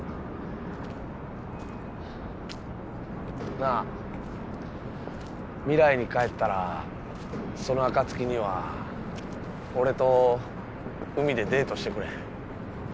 なあ未来に帰ったらその暁には俺と海でデートしてくれへん？